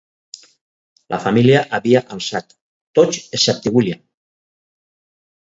La família havia alçat, tots excepte William.